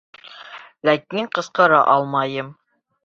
Ләкин ҡысҡыра алмайым.